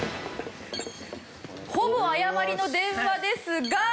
ほぼ謝りの電話ですが。